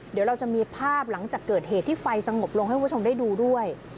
เดี๋ยวเราจะมีภาพหลังจากเกิดเหตุที่ไฟสงบลงให้คุณผู้ชมได้ดูด้วย